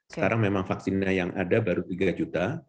sekarang memang vaksinnya yang ada baru tiga juta